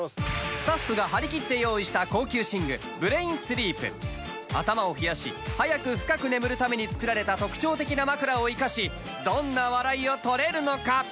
スタッフが張り切って用意した高級寝具ブレインスリープ頭を冷やし早く深く眠るために作られた特徴的な枕を生かしどんな笑いを取れるのか？